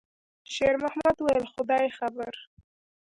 شېرمحمد وویل: «خدای خبر.»